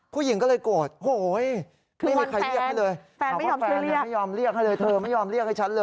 ผู้หญิงก็เลยโกรธโอ๊ย